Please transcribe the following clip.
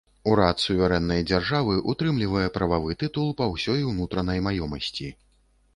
Урад суверэннай дзяржавы ўтрымлівае прававы тытул па ўсёй унутранай маёмасці.